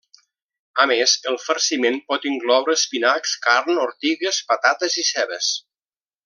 A més, el farciment pot incloure espinacs, carn, ortigues, patates i cebes.